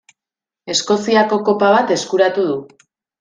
Eskoziako Kopa bat eskuratu du.